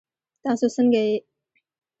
تاسو څنګه یئ؟